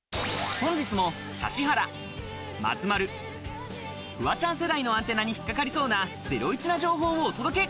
本日も指原、松丸、フワちゃん世代のアンテナに引っ掛かりそうなゼロイチな情報をお届け！